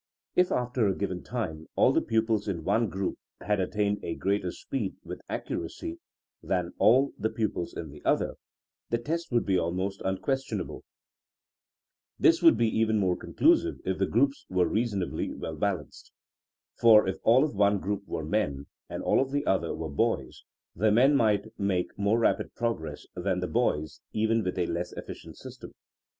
If after a given time all the pu pils in one group had attained a greater speed with accuracy than all the pupils in the other, the test would be almost unquestionable. This THINKINO AS A SCIENCE 37 would be even more conclusive if the groups were reasonably well balanced. For if all of one group were men and all of the other were boys, the men might make more rapid progress than the boys even with a less efficient system.